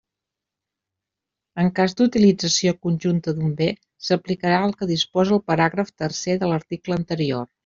En cas d'utilització conjunta d'un bé, s'aplicarà el que disposa el paràgraf tercer de l'article anterior.